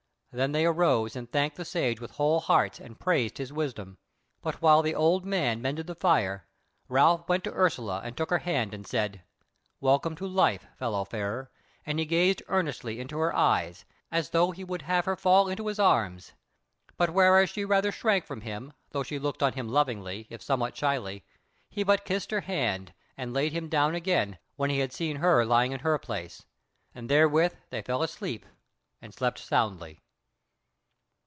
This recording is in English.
Then they arose and thanked the Sage with whole hearts and praised his wisdom. But while the old man mended the fire Ralph went up to Ursula and took her hand, and said: "Welcome to life, fellow farer!" and he gazed earnestly into her eyes, as though he would have her fall into his arms: but whereas she rather shrank from him, though she looked on him lovingly, if somewhat shyly, he but kissed her hand, and laid him down again, when he had seen her lying in her place. And therewith they fell asleep and slept sweetly.